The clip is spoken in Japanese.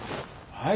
はい！